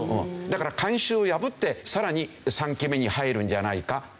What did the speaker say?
だから慣習を破ってさらに３期目に入るんじゃないか？